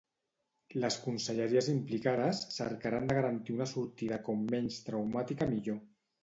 Les conselleries implicades cercaran de garantir una sortida com menys traumàtica millor.